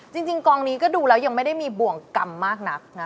จริงกองนี้ก็ดูแล้วยังไม่ได้มีบ่วงกรรมมากนักนะ